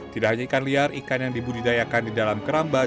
tidak hanya ikan liar ikan yang dibudidayakan di dalam keramba